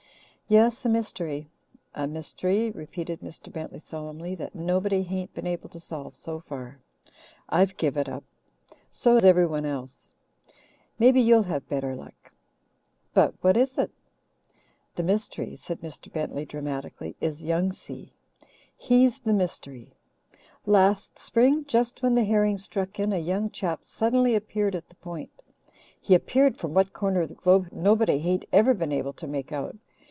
"Yes, a mystery a mystery," repeated Mr. Bentley solemnly, "that nobody hain't been able to solve so far. I've give it up so has everyone else. Maybe you'll have better luck." "But what is it?" "The mystery," said Mr. Bentley dramatically, "is Young Si. He's the mystery. Last spring, just when the herring struck in, a young chap suddenly appeared at the Point. He appeared from what corner of the globe nobody hain't ever been able to make out.